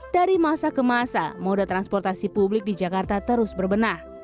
dari masa ke masa moda transportasi publik di jakarta terus berbenah